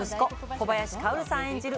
小林薫さん演じる